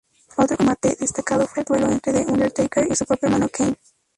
Otro combate destacado, fue el duelo entre The Undertaker y su propio hermano Kane.